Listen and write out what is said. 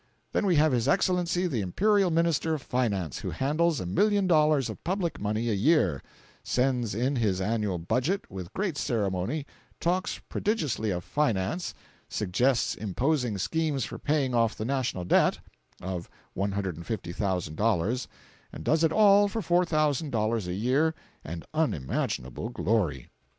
Then we have his Excellency the Imperial Minister of Finance, who handles a million dollars of public money a year, sends in his annual "budget" with great ceremony, talks prodigiously of "finance," suggests imposing schemes for paying off the "national debt" (of $150,000,) and does it all for $4,000 a year and unimaginable glory.